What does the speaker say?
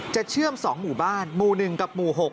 จะเชื่อมสองหมู่บ้านหมู่หนึ่งกับหมู่หก